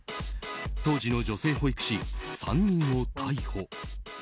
当時の女性保育士３人を逮捕。